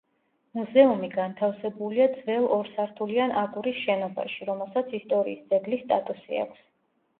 მუზეუმი განთავსებულია ძველ ორსართულიან აგურის შენობაში, რომელსაც ისტორიის ძეგლის სტატუსი აქვს.